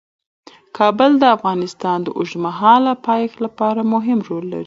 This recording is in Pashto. کابل د افغانستان د اوږدمهاله پایښت لپاره مهم رول لري.